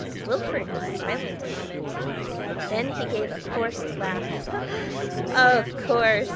Wilfrid was silent a moment; then he gave a forced laugh. "Of course!"